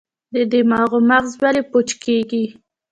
د بادامو مغز ولې پوچ کیږي؟